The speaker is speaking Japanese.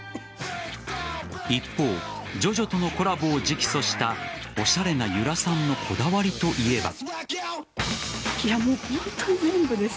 一方、「ジョジョ」とのコラボを直訴したおしゃれな由良さんのこだわりといえば。